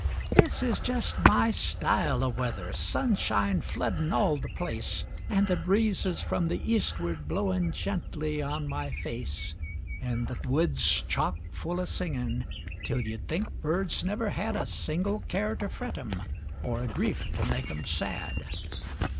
This is jes' my style o' weather sunshine floodin' all the place, An' the breezes from the eastward blowin' gently on my face. An' the woods chock full o' singin' till you'd think birds never had A single care to fret 'em or a grief to make 'em sad.